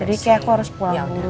jadi kayak aku harus pulang dulu deh